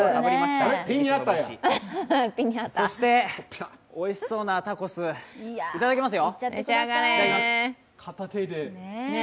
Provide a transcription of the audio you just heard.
そして、おいしそうなタコス、いただきます。